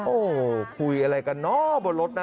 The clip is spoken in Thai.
โอ้คุยอะไรกันน้อบนรถนะ